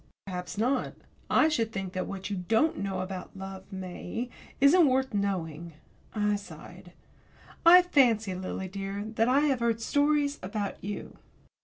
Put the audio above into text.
"Perhaps not. I should think that what you don't know about love, May, isn't worth knowing." I sighed. "I fancy, Lily dear, that I have heard stories about you."